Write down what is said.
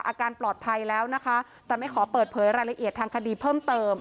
อาการปลอดภัยแล้วนะคะแต่ไม่ขอเปิดเผยรายละเอียดทางคดีเพิ่มเติม